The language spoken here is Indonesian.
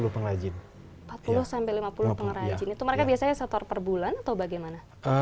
empat puluh sampai lima puluh pengrajin itu mereka biasanya setor per bulan atau bagaimana